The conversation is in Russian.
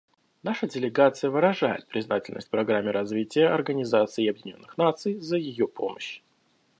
Наша делегация выражает признательность Программе развития Организации Объединенных Наций за ее помощь.